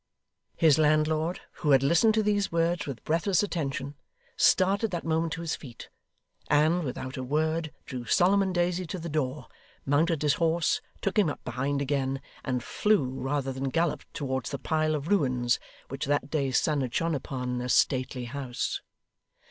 His landlord, who had listened to these words with breathless attention, started that moment to his feet; and, without a word, drew Solomon Daisy to the door, mounted his horse, took him up behind again, and flew rather than galloped towards the pile of ruins, which that day's sun had shone upon, a stately house.